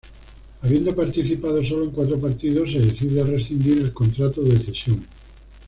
Habiendo participado solo en cuatro partidos se decide rescindir el contrato de cesión.